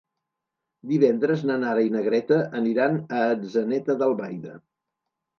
Divendres na Nara i na Greta aniran a Atzeneta d'Albaida.